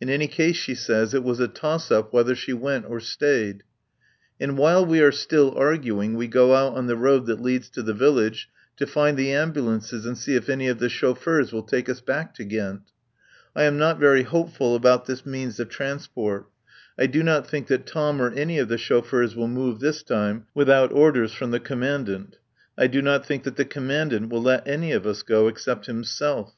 In any case, she says, it was a toss up whether she went or stayed. And while we are still arguing, we go out on the road that leads to the village, to find the ambulances and see if any of the chauffeurs will take us back to Ghent. I am not very hopeful about the means of transport. I do not think that Tom or any of the chauffeurs will move, this time, without orders from the Commandant. I do not think that the Commandant will let any of us go except himself.